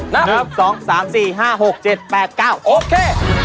นับ๑๒๓๔๕๖๗๘๙โอเค